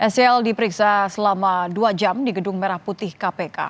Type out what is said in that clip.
sel diperiksa selama dua jam di gedung merah putih kpk